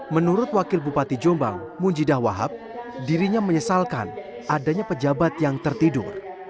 menurut wakil bupati jombang munjidah wahab dirinya menyesalkan adanya pejabat yang tertidur